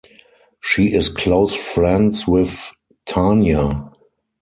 She is close friends with Tarnya.